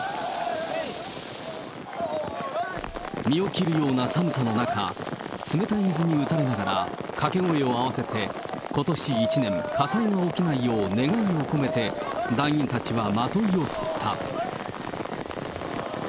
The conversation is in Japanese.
身を切るような寒さの中、冷たい水に打たれながら、かけ声を合わせて、ことし一年、火災が起きないよう願いを込めて、団員たちはまといを振った。